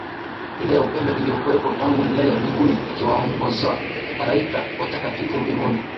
ile ya upendo iliyokuwepo tangu milele Mbinguni ikiwaongoza Malaika watakatifu mbinguni